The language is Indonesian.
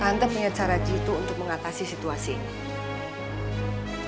tante punya cara jitu untuk mengatasi situasi ini